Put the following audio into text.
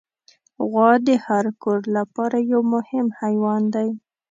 غوا د هر کور لپاره یو مهم حیوان دی.